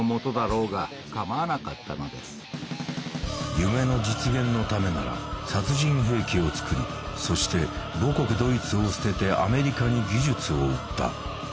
夢の実現のためなら殺人兵器を造りそして母国ドイツを捨ててアメリカに技術を売った。